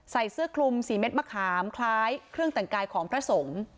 ใส่เสื้อคลุมสีเม็ดมะขามคล้ายเครื่องแต่งกายของพระสงฆ์